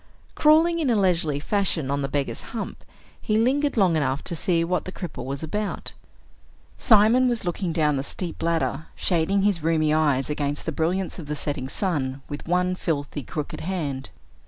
Crawling in a leisurely fashion on the beggar's hump, he lingered long enough to see what the cripple was about. Simon was looking down the steep ladder, shading his rheumy eyes against the brilliance of the setting sun with one filthy, crooked hand.